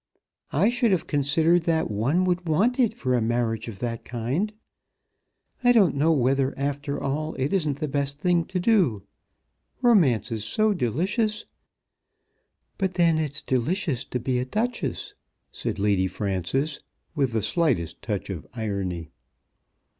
"I should have considered that one would want it for a marriage of that kind. I don't know whether after all it isn't the best thing to do. Romance is so delicious!" "But then it's delicious to be a Duchess," said Lady Frances, with the slightest touch of irony.